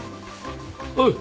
おい。